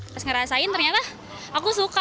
pas ngerasain ternyata aku suka